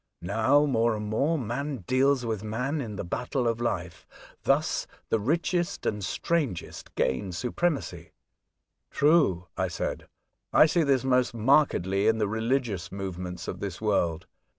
Now, more and more, man deals with man in the battle of life ; thus the richest and strongest gain supremacy.'' " True," I said. " I see this most markedly in the religious movements of this world.